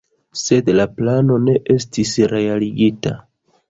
Sed la plano ne estis realigita.